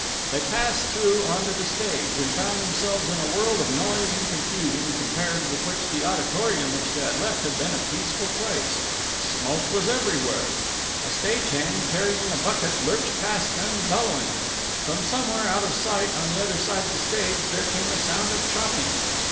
They passed through on to the stage, and found themselves in a world of noise and confusion compared with which the auditorium which they had left had been a peaceful place. Smoke was everywhere. A stage hand, carrying a bucket, lurched past them, bellowing. From somewhere out of sight on the other side of the stage there came a sound of chopping.